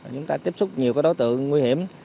chúng ta tiếp xúc nhiều đối tượng nguy hiểm